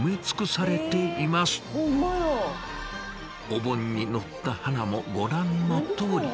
お盆に載った花もご覧のとおり。